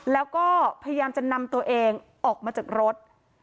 แล้วก็พยายามจะนำตัวเองออกมาจากรถ